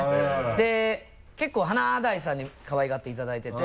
で結構華大さんにかわいがっていただいてて。